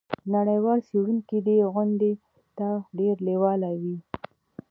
نړیوال څیړونکي دې غونډې ته ډیر لیواله وي.